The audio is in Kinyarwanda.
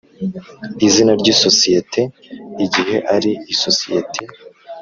Izina ry isosiyete igihe ari isosiyeti